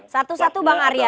satu satu bang arya